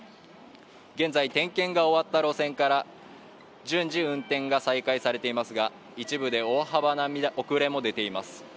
現在点検が終わった路線から順次運転が再開されていますが一部で大幅な遅れも出ています。